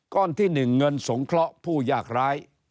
ก้อนที่หนึ่งเงินสงเคราะห์ผู้ยากร้าย